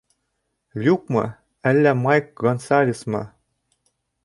Люкмы, әллә Майк Гонсалесмы?